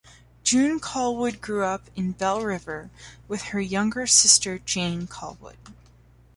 June Callwood grew up in Belle River with her younger sister Jane Callwood.